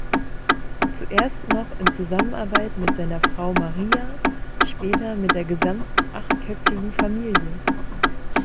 Zuerst noch in Zusammenarbeit mit seiner Frau Maria, später mit der gesamten achtköpfigen Familie.